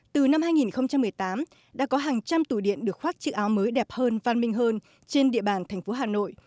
từ năm hai nghìn một mươi tám đã có hàng trăm tủ điện được khoác chữ áo mới đẹp hơn văn minh hơn trên địa bàn thành phố hà nội